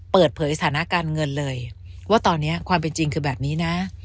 เปิดเผยสถานการณ์เงินเลยว่าตอนนี้ความเป็นจริงคือแบบนี้นะ